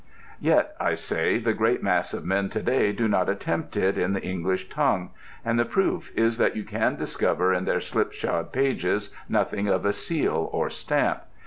Yet, I say, the great mass of men to day do not attempt it in the English tongue, and the proof is that you can discover in their slipshod pages nothing of a seal or stamp.